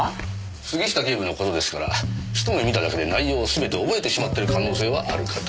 杉下警部の事ですから一目見ただけで内容を全て覚えてしまってる可能性はあるかと。